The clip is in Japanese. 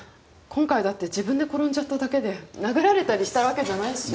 今回だって自分で転んじゃっただけで殴られたりしたわけじゃないし。